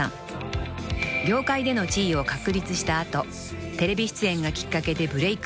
［業界での地位を確立した後テレビ出演がきっかけでブレーク］